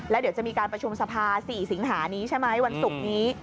แล้วเดี๋ยวจะมีการประชุมสภา๔สิงหานี้ใช่ไหมวันศุกร์นี้